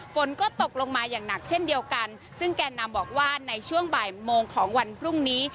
ฝนก็ตกลงมาอย่างหนักเช่นเดียวกันซึ่งแก่นำบอกว่าในช่วงบ่ายโมงของวันพรุ่งนี้